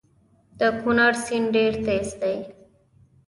د کونړ سیند ډیر تېز دی